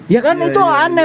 ya kan itu aneh